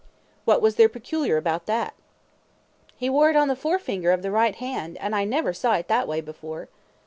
Q. What was there peculiar about that? A. He wore it on the forefinger of the right hand, and I never saw it that way before.